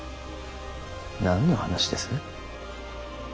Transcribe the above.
何の話です？